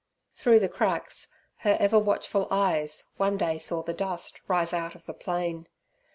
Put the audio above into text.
Through the cracks her ever watchful eyes one day saw the dust rise out of the plain.